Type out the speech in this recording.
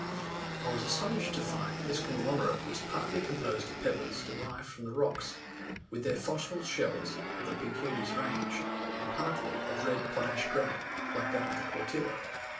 I was astonished to find that this conglomerate was partly composed of pebbles, derived from the rocks, with their fossil shells, of the Peuquenes range; and partly of red potash granite, like that of the Portillo.